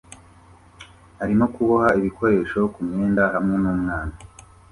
arimo kuboha ibikoresho kumyenda hamwe numwana